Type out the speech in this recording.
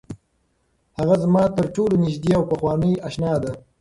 هغه زما تر ټولو نږدې او پخوانۍ اشنا ده.